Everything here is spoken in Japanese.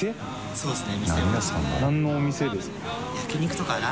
そうですね。